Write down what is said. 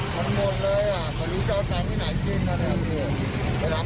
พ่อข้าอยู่หน้าตลาดกลางกุ้ง